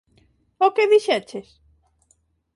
O que dixeches?